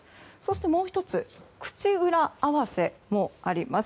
もう１つ口裏合わせもあります。